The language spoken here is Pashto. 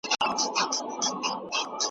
ميرمني بايد د خپلو خاوندانو سره ښه ژوند وکړي.